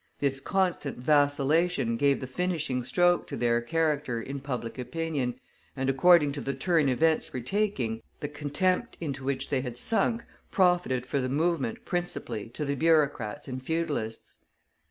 This constant vacillation gave the finishing stroke to their character in public opinion, and according to the turn events were taking, the contempt into which they had sunk, profited for the movement principally to the bureaucrats and feudalists.